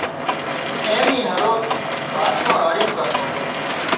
ايم اي هروز راچا نان راڙيون ڪرتو